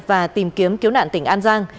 và tìm kiếm cứu nạn tỉnh an giang